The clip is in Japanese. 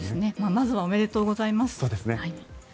まずはおめでとうございます。